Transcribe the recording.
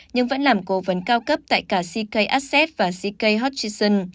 nhưng vẫn làm cố vấn cao cấp tại cả ck asset và ck hot chisholm